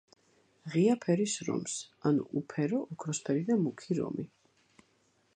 ღია ფერის რომს, ანუ უფერო, ოქროსფერი და მუქი რომი.